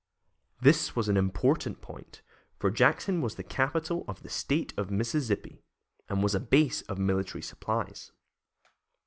This was an important point, for Jackson was the capital of the State of Mississippi, and was a base of military supplies.